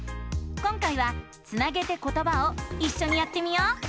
今回は「つなげてことば」をいっしょにやってみよう！